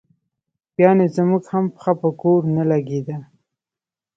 بیا نو زموږ هم پښه په کور نه لګېده.